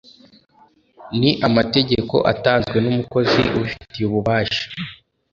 ni amategeko atanzwe n’umukozi ubifitiye ububasha